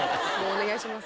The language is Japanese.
お願いします。